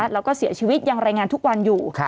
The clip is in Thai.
แล้วก็เสียชีวิตยังรายงานทุกวันอยู่